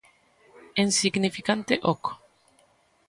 En significante oco.